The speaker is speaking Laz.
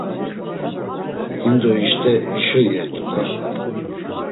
Himdo işte hişo iyert̆u da!